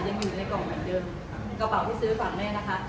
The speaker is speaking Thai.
ยังอยู่ในกล่องแบบเดิมกระเป๋าที่ซื้อให้ฝากแม่นะคะ